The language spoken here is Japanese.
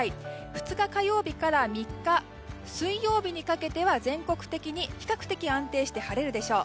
２日火曜日から３日水曜日にかけては、全国的に比較的安定して晴れるでしょう。